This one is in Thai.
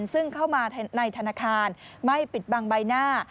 ซึ่งเข้ามาในธนาคารไม่ปิดบังใบหน้า